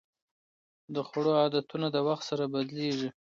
د خوړو عادتونه د وخت سره بدلېږي.